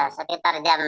sekitar jam dua